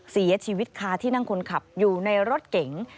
เสียชีวิตคาที่นั่งคนขับอยู่ในรถเก๋ง